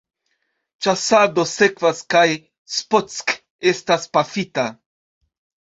Ĉasado sekvas kaj Spock estas pafita.